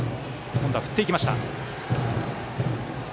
今度は振っていきました。